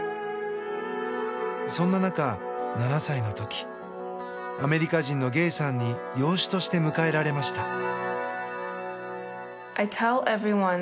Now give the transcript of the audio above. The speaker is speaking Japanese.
そんな中、７歳の時アメリカ人のゲイさんに養子として迎えられました。